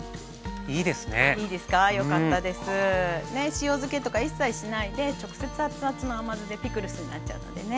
塩漬けとか一切しないで直接熱々の甘酢でピクルスになっちゃうのでね